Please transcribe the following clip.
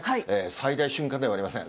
最大瞬間ではありません。